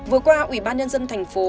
vừa qua ủy ban nhân dân thành phố